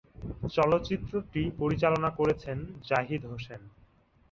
চলচ্চিত্রটি পরিচালনা করেছেন জাহিদ হোসেন।